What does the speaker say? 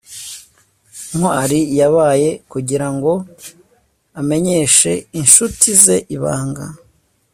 ntwali yabaye kugirango amenyeshe inshuti ze ibanga